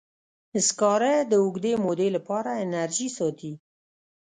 سکاره د اوږدې مودې لپاره انرژي ساتي.